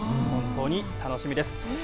本当に楽しみです。